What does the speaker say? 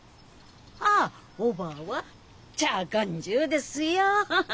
あおばぁはちゃーがんじゅうですよ。